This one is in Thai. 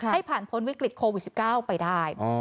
ให้ผ่านพ้นวิกฤตโควิด๑๙ไปได้